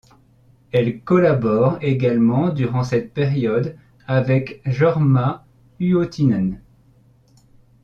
Elle collabore également durant cette période avec Jorma Uotinen.